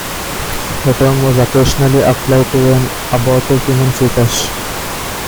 The term was occasionally applied to an abortive human fetus.